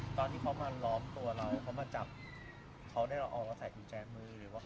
ตอนที่เขามาร้อมตัวเราเขามาจับก็แจบบอกมาใส่กุญแจมือ